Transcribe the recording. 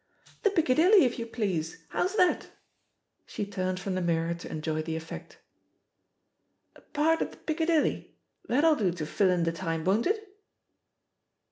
"The Piccadilly, if you please f How's that?" She turned from the mirror to enjoy the effect. *'A part at the Piccadilly! That'll do to fill in the time, won't it?"